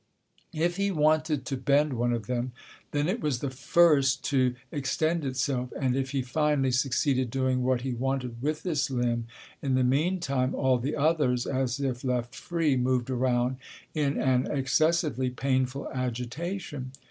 If he wanted to bend one of them, then it was the first to extend itself, and if he finally succeeded doing what he wanted with this limb, in the meantime all the others, as if left free, moved around in an excessively painful agitation.